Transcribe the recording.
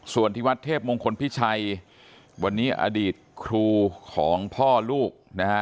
ส่วนที่วัดเทพมงคลพิชัยวันนี้อดีตครูของพ่อลูกนะฮะ